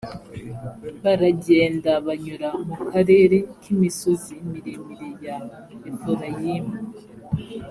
baragenda banyura mu karere k imisozi miremire ya efurayimu